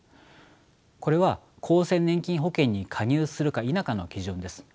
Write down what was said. これは厚生年金保険に加入するか否かの基準です。